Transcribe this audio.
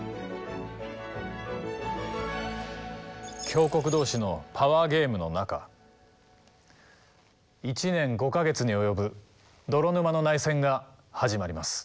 強国同士のパワーゲームの中１年５か月に及ぶ泥沼の内戦が始まります。